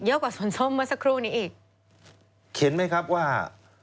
กว่าสวนส้มเมื่อสักครู่นี้อีกเห็นไหมครับว่า